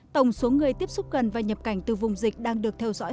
tổng số người tiếp xúc gần và nhập cảnh từ vùng dịch đang được theo dõi